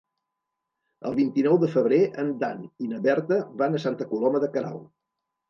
El vint-i-nou de febrer en Dan i na Berta van a Santa Coloma de Queralt.